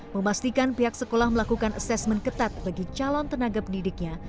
memastikan pihak sekolah melakukan asesmen ketat bagi calon tenaga pendidiknya